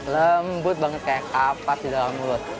lembut banget kayak kapas di dalam mulut